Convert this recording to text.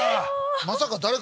まさか誰か。